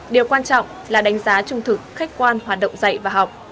điều quan trọng là đánh giá trung thực khách quan hoạt động dạy và học